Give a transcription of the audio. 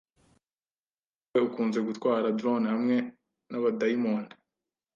Nyamara we ukunze gutwara drone hamwe nabadayimoni